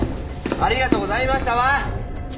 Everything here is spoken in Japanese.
「ありがとうございました」は？